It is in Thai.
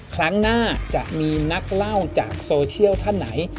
ครั้งหน้าจะมีนักเล่าจากโซเชียลท่านไหน